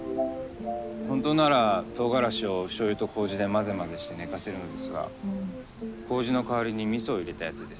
本当ならとうがらしをおしょうゆと麹で混ぜ混ぜして寝かせるんですが麹の代わりにみそを入れたやつです。